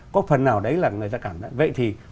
có phần nào đấy là người ta cảm nhận vậy thì